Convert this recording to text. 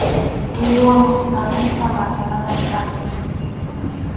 Kiruwan kanispa mansanata khachuy.